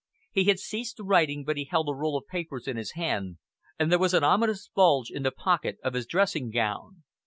He had ceased writing but he held a roll of papers in his hand, and there was an ominous bulge in the pocket of his dressing gown.